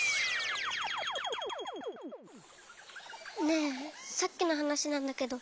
ねえさっきのはなしなんだけど。